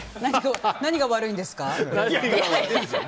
何が悪いんですか？